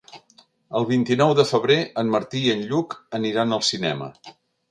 El vint-i-nou de febrer en Martí i en Lluc aniran al cinema.